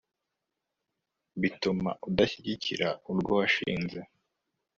bituma udashyigikira urwo washinze